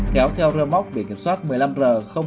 kéo theo rơ móc biển kiểm soát một mươi năm r tám trăm chín mươi sáu